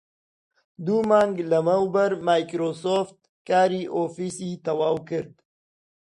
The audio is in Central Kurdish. دوو مانگ لەمەوبەر مایکرۆسۆفت کاری ئۆفیسی تەواو کرد